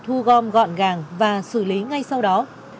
thu gom gọn gàng và xử lý ngay sau đó